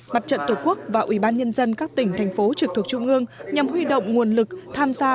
mặt trận tổ quốc và ubnd các tỉnh thành phố trực thuộc trung ương nhằm huy động nguồn lực tham gia